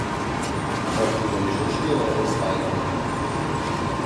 Kannst du den Geschirrspüler ausräumen?